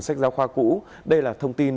sách giáo khoa cũ đây là thông tin